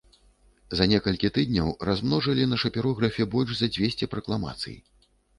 За некалькі тыдняў размножылі на шапірографе больш за дзвесце пракламацый.